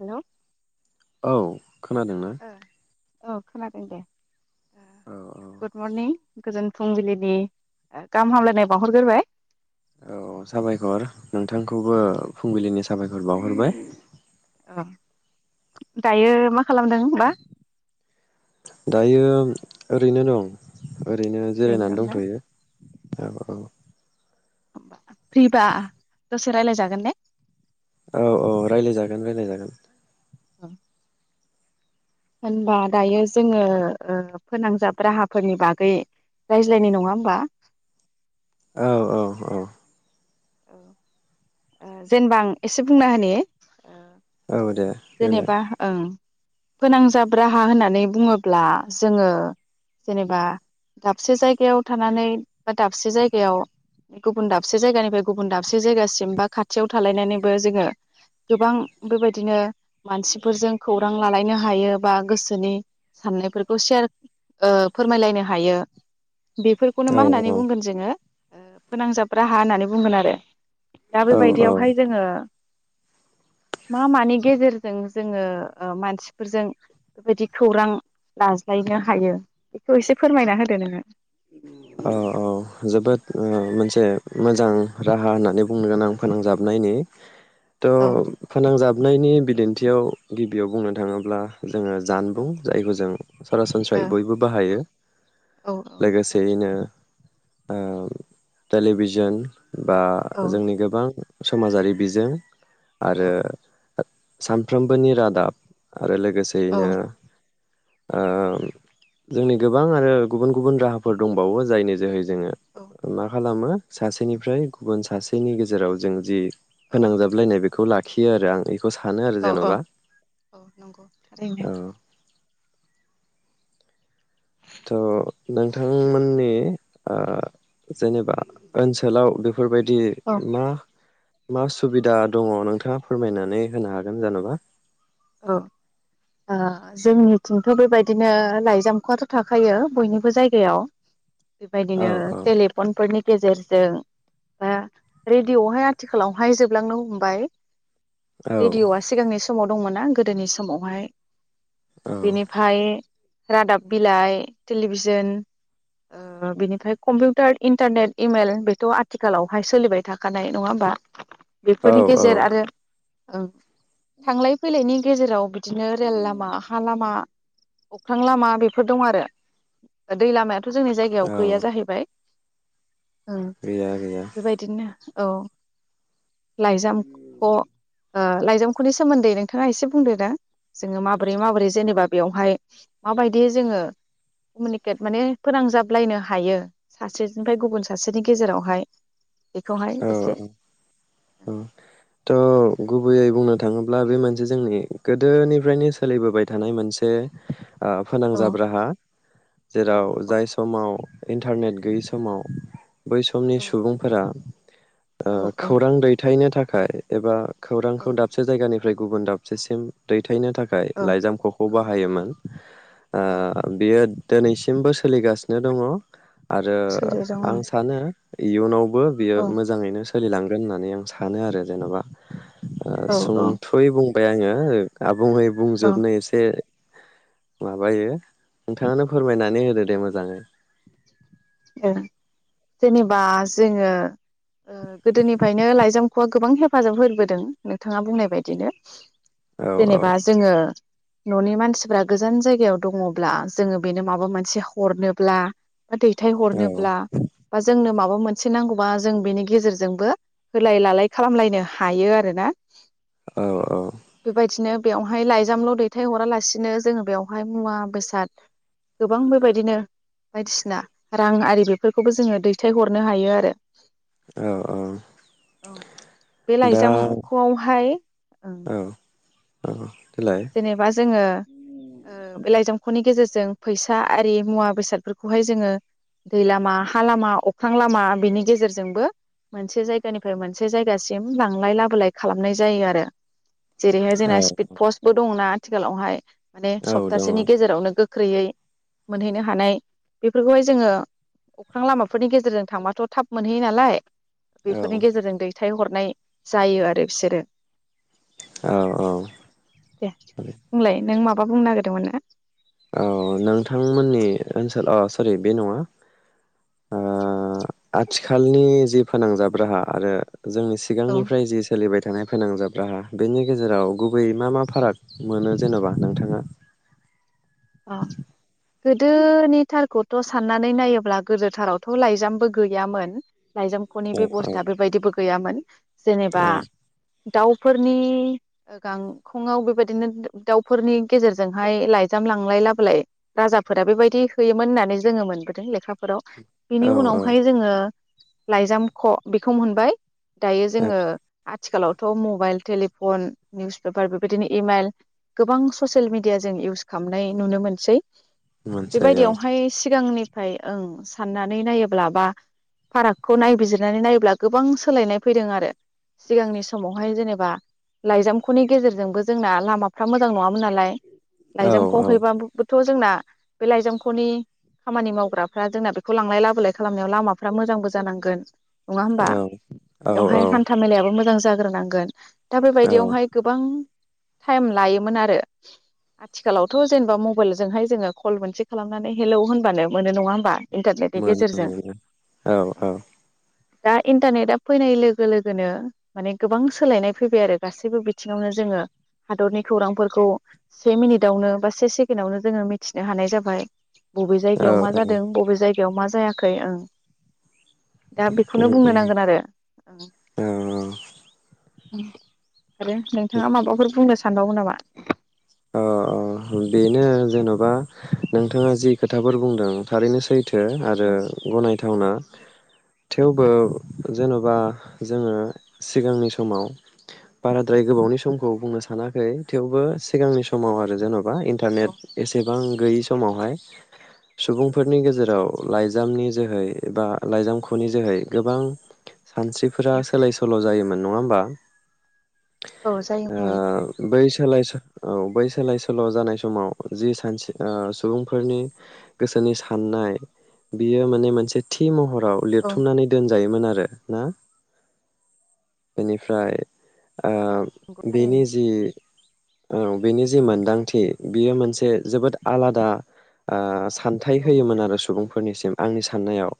Hello. औ। खोनादों ना औ खोनादों दे औ गुड औ मरनिं गोजोन फुंबिलिनि ओ गाहाम हामलायनाय बावहरग्रोबाय औ साबायखर नोंथांखौबो फुंबिलिनि सम साबायखर बावहरबाय औ दायो मा खालामदों होनबा दायो ओरैनो दं ओरैनो जिरायनानै दंथ'यो औ औ फ्रिबा दसे रायलायजागोन ने औ औ रायज्लायजागोन रायज्लायजागोन औ होनबा दायो जोङो ओ फोनांजाब राहाफोरनि बागै रायज्लायनो नङा होमबा औ औ औ औ ओ जेनेबा आं एसे बुंना होनि औ दे देलाय जेनेबा ओं फोनांजाब राहा होननानै बुङोब्ला जोङो जेनेबा दाबसे जायगायाव थानानै बा दाबसे जायगायाव गुबुन दाबसे जायगानिफ्राय गुबुन दाबसे जायगासिम बा खाथियाव थालायनानैबो जोङो गोबां बेबायदिनो मानसिफोरजों खौरां लालायनो हायो बा गोसोनि साननायफोरखौ सेयार ओ फोरमायलायनो हायो बेफोरखौनो मा औ होननानै बुंगोन जोङो ओ फोनांजाब राहा होननानै बुंगोन आरो दा औ औ बेबायदियावहाय जोङो मा मानि गेजेरजों जोङो मानसिफोरजों बेबायदि खौरां लाज्लायनो हायो बेखौ एसे फोरमायना होदो नोङो औ औ जोबोद ओ मोनसे मोजां राहा होननानै बुंनो गोनांं फोनांजाबनायनि औ थ' फोनां जाब हाबनायनि बिदिन्थियाव गिबियाव बुंनो थाङोब्ला जोङो जानबुं जायखौ जों औ सरासनस्रायै बयबो बाहायो औ नंगौ लोगोसेयैनो ओ टेलिभिजन बा औ जोंनि गोबां समाजारि बिजों औ आरो सानफ्रोमबोनि रादाब आरो लोगोसेयैनो ओ जोंनि गोबां आरो गुबुन गुबुन राहाफोर दंबावो जायनि जोहै जोङो मा खालामो सासेनिफ्राय गुबुन सासेनि गेजेराव जों जि फोनांजाबलायनाय बे - खौ लाखियो आरो आं बेखौ सानो आरो औ औ औ जेन'बा औ नंगौ थारैनो औ थ' नोंथांमोननि ओ जेनेबा ओनसोलाव बे फोरबायदि औ मा मा सुबिदा दङ नोंथाङा फोरमायनानै होनो हागोन जेन'बा औ ओ जोंनिथिंथ' बेबायदिनो लाइजामख' आथ' थाखायो बयनिबो जायगायाव औ बेबायदिनो टेलिफनफोरनि गेजेर जों बा रेडिय'आवहाय आथिखालावहाय जोबलांनो हमबाय औ रेडिअ'आ सिगांनि स दंमोना गोदोनि समावहाय बिनिफाय रादाब बिलाइ टेलिभिजोन ओ बिनिफ्राय कम्पिउटार इन्टारनेट इमेल बेथ' आथिखालावहाय सोलिबाय थाखानाय नङा होमबा? औ बेफोरनि औ गेजेर आरो औ थांलाय फैलायनि गेजेराव बे बिदिनो रेल लामा हा लामा अख्रां लामा बेफोर दं आरो दै लामायाथ' थ' जोंनि जायगायाव औ गैया जाहैबाय। ओं गैया गैया बेबायदिनो औ लाइजाम ख' ओ लाइजामख'नि सोमोन्दै नों थाङा एसे बुंदो दा जोङो माबोरै माबोरै जेनेबा बेयावहाय माबायदि जोङो कमिउनिकेट माने फोनांजाबलायनो हायो सासेनिफ्राय गुबुन सासेनि गेजेरावहाय। बेखौहाय औ एसे अ अ थ' गुब बैयै बुंनो थाङोब्ला बे मोनसे जोंनि गोदोनिफ्रायनो सोलिबोबाय थानाय मोनसे ओ औ फोनांजाब राहा जेराव औ नंगौ जाय समाव इन्टारनेट गैयै समाव बै समनि औ सुबुंफोरा ओ औ औ खौरां दैथायनो थाखाय एबा औ खौरांखौ दाबसे जायगानिब फ्राय गुबुन दाबसेम दै थायनो थाखाय औ लाइजामख'खौ औ बाहायोमोन ओ औ बियो दोनैसिमबो सोलिगासिनो दङ। आरो सोलियो दं औ आं सानो इउनावबो औ मोजाङैनो स सोलिलांगोन होननानै आं सानो आरो जेन'बा ओ औ औ सोंथ'यै बुं [unintelligible] बुंङै औ बुंजोबनो एसे माबायो नोंथाङानो फोरमायनानै होदो दे मोजाङै जेनेबा जोङो गोदोनिफ्रायनो ओ लाइजामखौवा गोबां हेफाजाब होबोदों नोंथाङा बुंनाय बायदिनो औ औ जेनेबा जोङो न'नि मानसिफोरा गोजान जायगायाव दङब्ला जोङो बेनो माबा मोनसे हरनोब्ला बा दै फिथाइ औ हरनोब्ला बा जोंनो माब मा मोनसे नांगौबा जों बेनि गेजेरजोंबो होलाय लालाय खालामलायनो हायो आरोना औ औ बेबायदिनो बेवहाय लाइजामल' दैथायहरालासिनो जोङो बेवहाय मुवा बेसाद गोबां बेबायदिनो बायदिसिना रां आरि बेफोरखौबो जोङो दैथायहरनो हायो आरो औ औ औ बे दा लाइजामखौआवहाय ओं औ औ देलाय जेनेबा जोङो ओ बे लाइजाम न'खरनि गेजेरजों फैसा आरि मुवा बेसादफोरखौहाय जोङो दै लामा हा लामा अख्रां लामा बिनि गेजेरजोंबो मोनसे जायगानिफ्राय मोनसे जायगासिम लांलाय लाबोलाय खालामनाय जायो आरो जेरैहाय जोंना औ स्पिड पस्ट ब दंना आथिखालावहाय माने औ दङ औ सप्तासेनि गेजेरावनो गो गोख्रैयै मोनहैनो हानाय बेफोरखौहाय जोङो अख्रां लामाफोरनि गेजेरजों थांबाथ' थाब मोनहैयो नालाय औ बेफोरनि गेजेरजों दैथायहर नाय जायो आरो बिसोरो औ औ दे बुंलाय नों माब माबा बुंनो नागिरदों मोनना। औ नोंथां मोननि ओनसोल अ सरि बे नङा ओ आ आथिखालनि जि फोनांजाब राहा आरो जोंनि औ सिगांनिफ्राय जि सोलिबाय थायो नाय फोनांजाब राहा बेनि गेजेराव गुबै मा मा फाराग मोनो जेन'बा नोंथाङा अ गोदो निथारखौथ' साननानै नायोब्ला गोदो थारावथ' लाइजामबो गैयामोन लाइजाम ख'नि औ औ औ बेबस्था बेबायदिबो गैयामोन। जेनेबा दाउ फोरनि गांखं आव बेबायदिनो दाउ फोरनि गेजेर जोंहाय लाइजाम लां लाय लाबोलाय राजाफोरा बेबायदि होयोमोन होननानै जोङो मोनबोदों लेखा फोराव। बेनि औ औ उनावहाय जोङो लाइजाम ख' बेखौ मोनबाय। दायो औ जोङो आथिखालावथ' मबाइल टेलिफन निउस पेपार बेबायदिनो इ-माइल गोबां ससियेल मिडिया जों इउस खामनाय नुनो मोनसै। मोनसै औ बेबायदियाव हाय सिगांनि ओमफाय ओं साननानै नायोब्ला बा फारागखौ नायबिजिरनानै नायोब्ला गोबां सोलायनाय फैदों आरो सिगांनि समावहाय जेनेबा लाइजामख'नि गेजेरजोंबो जोंना लामाफ्रा मोजां नङामोन नालाय औ लाइजामखौ औ हैबा थ' जोंना बे लाइजामख'नि खामानि मावग्राफ्रा जोंना बेखौ लांलाय लाबोलाय खालामनायाव लामाफ्रा मोजांबो जानांगोन नङा होमबा औ औ औ बेवहाय हान्था मेलायाबो मोजां जाग्रो नांगोन दा औ बेबायदि यावहाय गोबां टाइम लायोमोन आरो। आथिखालावथ' जेनेबा मबाइल जोंहाय जोङो खल मोनसे खालामनानै हेल' होनबानो मोनो नङा होमबा? इन्टारनेटनि मोन गेजेरजों [unintelligible] औ औ। दा इन्टारनेटआ फैनाय लोगो लोगोनो माने गोबां सोलायनाय फैबाय आरो गासैबो बिथिङावनो जोङो हादरनि खौरांफोरखौ से मिनिट आवनो बा से सेकेण्ड आवनो जोङो मिथिनो हानाय जाबाय। बबे औ जायगायाव मा जादों बबे जाय याव मा जायाखै ओं। दा बेखौनो बुंनो नांगोन आरो। औ [unintelligible] आरो नोंथाङा माबाफोर बुंनोस सानबावो नामा? अ बेनो जेन'बा नोंथाङा जि खोथाफोर बुंदों थारैनो सैथो। थो औ आरो गनाय थावना थेवबो जेन'बा जोङो सिगांनि समाव बाराद्राय गोबावनि समखौ बुंनो सानाखै थेवबो सिगांनि समाव आरो जेनब बा इन्टारनेट औ एसेबां गैयै समावहाय सुबुंफोरनि गेजेराव लाइजामनि जोहै एबा लाइजाम ख'नि जोहै गोबां सानस्रिफोरा सोलाय सोल' जायोमोन। नङा होमबा? औ जायोमोन ओ बै सोलाय सो औ बै सोलाय सोल' जानाय समाव जि सानसे सुबुंफोरनि गोसोनि साननाय बियो माने मोनसे थि महर आव औ लिरथुमनानै दोन जायोमोन आरो ना बिनिफ्राय ओ नंगौ बिनि थारैनो जि औ बेनि जि मोनदांथि बियो मोनसे जोबोद आलादा ओ सान्थाइ औ होयोमोन आरो सुबुं फोरनिसिम आंनि साननायाव।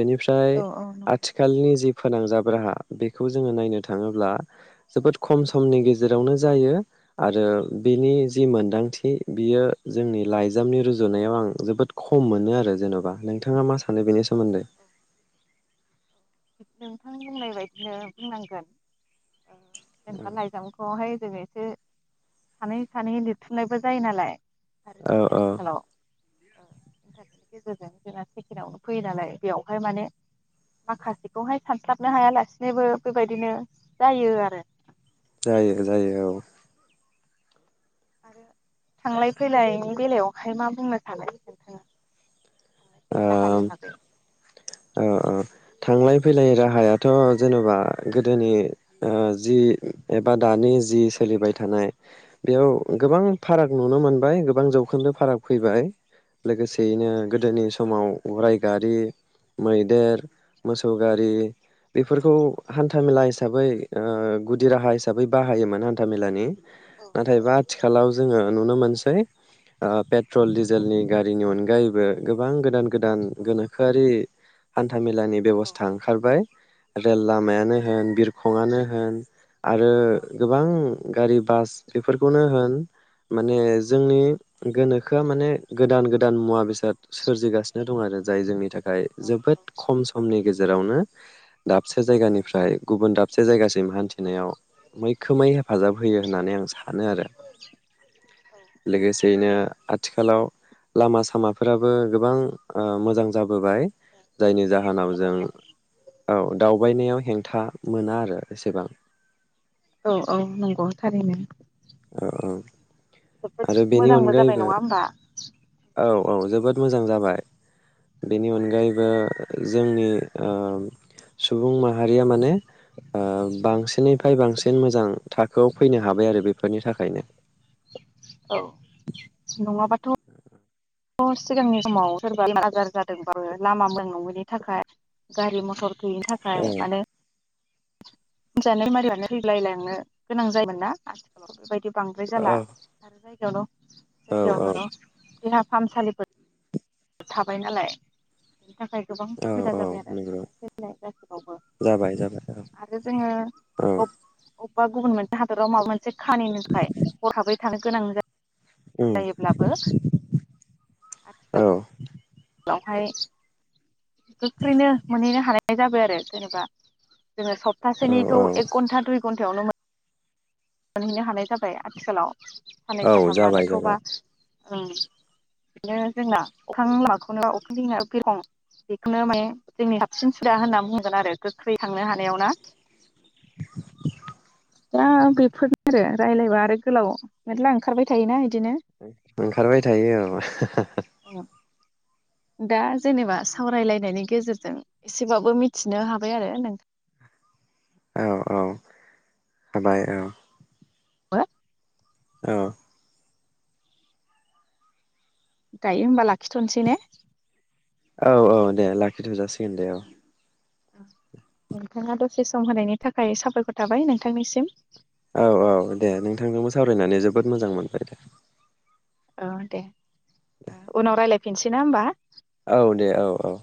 बेनिफ्राय औ औ नंगौ आथिखालनि जि फोनांजाब राहा बेखौ जोङो नायनो थाङोब्ला जोबोद खम समनि गेजेरावनो जायो। आरो बिनि जि मोन्दांथि बियो जोंनि लाइजामनि रुजुनायाव आं जोबोद खम मोनो आरो जेन'बा नोंथाङा मा सानो बेनि सोमोन्दै? नोंथां बुंनाय बायदिनो बुंनांगोन। जेनेबा लाइजामखौहाय जोङो [unintelligible] सानै सानै लिरथुमनायबो जायो नालाय । आरो औ जोंनि औ आथिखालाव ओ इन्टारनेद नि गेजेरजों जोंहा सेकेणआव फैयो नालाय बेयावहाय माने माखासे बेवहाय सानस्लाबनो हायालासिनोबो बेबायदिनो जायो आरो। जायो जायो औ। आरो थांलाय फैलायनि बेलायावहाय मा बुंनो सानो नोंथाङा? थांलाय फैलाय ओम राहानि थाखाय ओ थांलाय फैलाय राहायाथ' जेन'बा गोदोनि ओ जि एबा दानि जि सोलिबाय थानाय बेयाव गोबां फाराग नुनो मोनबाय गोबां जौखोन्दो फाराग फैबाय लोगोसेयैनो गोदोनि समाव गराय गारि मैदेर मोसौ गारि बेफोरखौ हान्था मेला हिसाबै ओ गुदि राहा हिसाबै बाहायोमोन हान्था मेलानि नाथायबा आथिखालाव जोङो नुनो मोनसै ओ पेट्रल डिजेलनि गारिनि अनगायैबो गोबां गोदान गोदान गोनोखोआरि। हान्थामेलानि बेब'स्था ओंखारबाय । रेल लामायानो होन बिरखंआनो होन आरो गोबां गारि बास बेफोरखौनो होन माने जोंनि गोनोखोआ माने गोदान गोदान मुवा बेसाद सोरजिगासिनो दं आरो जाय जोंनि थाखाय जोबोद खम समनि गेजेरावनो दाबसे जायगानिफ्राय गुबुन दाबसे जायगासिम हान्थिनायाव मैखोमै हेफाजाब होयो होननानै आं सानो आरो लोगोसेयैनो आथिखालाव लामा सामाफोराबो गोबां ओ मोजां जाबोबाय । जायनि जाहोनाव जों औ दाव बायनायाव हेंथा मोना आरो एसेबां। औ औ नंगौ थारैनो। औ औ। जोबोद आरो बेनि मोजांबो जाबाय अनगायैबो नङा होमबा। औ औ जोबोद मोजां जाबाय । बेनि औ अनगायैबो जोंनि ओ- सुबुं माहारिया माने ओ बांसिननिफ्राय बांसिन मोजां थाखोआव फैनो हाबाय आरो बेफोरनि थाखायनो औ, नङाबाथ'। सिगांनि समाव सोरबा आाजार जादोंबाबो लामा मोनांगैनि थाखाय गारि मथर गैयिनि थाखाय औ माने जानाय मारियानो रैलायलांनो गोनां जायोमोन ना आथिखालाव बेबायदि बांद्राय औ जाला आरो जाय। [unintelligible] औ औ जायगायावनो देहा। थानसालिफोर थाबाय नालाय बिनि थाखाय। गोबां औ सुबिदा औ जाबाय आरो नंगौ थांलाय फैनाय गासिबावबो जाबाय जाबाय औ आरो औ जोङो बा गुबुन मोनसे हादराव माबा मोन [unintelligible] हरखाबै। थानो गोनां जायो। उम जायोब्लाबो आथिखाल औ लावहाय गोख्रैनो मोनहैनो हानाय जाबाय आरो जेनेबा। जोङो औ सप्तासेनिखौ औ एक घन्टा दुइ घन्टायावनो मोन मोनहैनो हानाय जाबाय आथिखालाव। साननै औ सानथाम जाबाय जाबाय लानायखौबा। ओम, बिदिनो जोंना अखां मवाखौनो अखां दैङायाव बिखं बेखौनो माने जोंनि साबसिन सुदा होनना बुंगोन आरो गोख्रै थांनो हानायावना। दा बेफोरनो आरो रायज्लायबा आरो गोलाव मेर्ला ओंखारबाय थायोना। इदिनो ओंखारबाय थायो औ- हो-हो-हो। दा जेनेबा सावरायलायनायनि गेजेरजों एसेबाबो मिथिनो हाबाय आरो, नों औ औ हाबाय औ। हो [inaudible] औ। दायो होमबा लाखिथ'नोसै ने? औ औ दे लाखिथ' जासिगो। [inaudible] नोंथाङा दसे सम होनायनि थाखाय सााबायखर थाबाय नोंथांनिसिम। औ औ दे नोंथांजोंबो सावरायनानै जोबोद मोजां मोनबाय दे। औ दे। अ उनाव रायलाय दोनसै ना होमबा? औ दे औ औ।